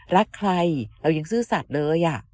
รักใครเรายังซื่อสัตว์เลย